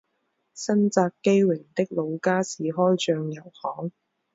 新泽基荣的老家是开酱油行。